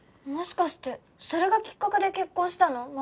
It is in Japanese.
もしかしてそれがきっかけで結婚したの？